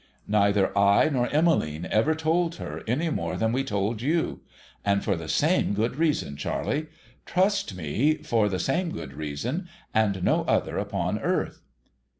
Neither I nor Emmeline ever told her, any more than we told you. And for the same good reason, Charley j trust me, for the same good reason, and no other upon earth